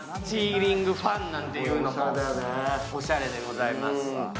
シーリングファンなんてのも、おしゃれでございます。